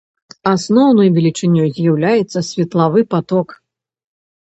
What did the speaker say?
Асноўнай велічынёй з'яўляецца светлавы паток.